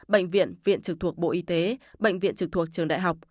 bệnh viện viện trực thuộc bộ y tế bệnh viện trực thuộc trường đại học